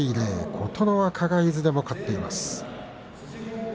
琴ノ若がいずれも勝っています。